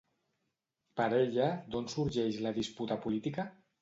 Per ella, d'on sorgeix la disputa política?